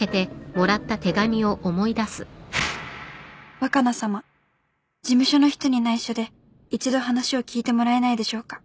「若菜様事務所の人に内緒で１度話を聞いてもらえないでしょうか？」